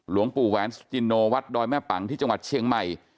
หลวงปู่แหวนสุจินโนวัดดอยแม่ปังที่จังหวัดเชียงใหม่